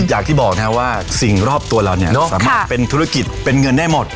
อย่างที่บอกนะครับว่าสิ่งรอบตัวเราเนี่ยสามารถเป็นธุรกิจเป็นเงินได้หมด